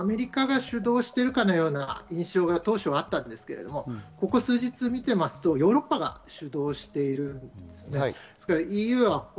さらに興味深いのはアメリカが主導しているかのような印象が当初はあったんですが、ここ数日を見てますとヨーロッパが主導している。